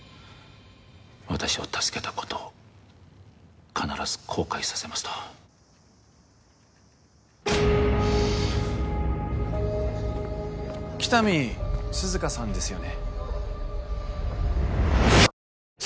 「私を助けたことを必ず後悔させます」と喜多見涼香さんですよね？